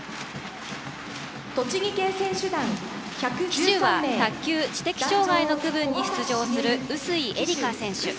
旗手は卓球・知的障害の区分に出場する薄井えりか選手。